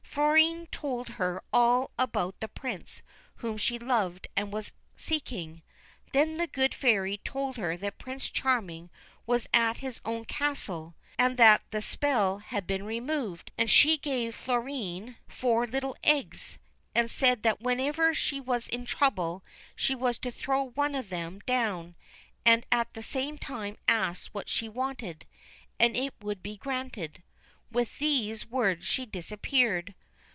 Florine told her all about the Prince whom she loved and was seeking. Then the Good Fairy told her that Prince Charming was at his own castle and that 90 THE BLUE BIRD the spell had been removed, and she gave Florine four little eggs, and said that whenever she was in trouble she was to throw one of them down, and at the same time ask what she wanted, and it would be granted. With these words she disappeared.